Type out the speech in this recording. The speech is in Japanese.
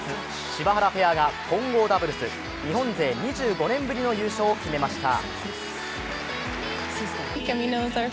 柴原ペアが混合ダブルス日本勢２５年ぶりの優勝を決めました。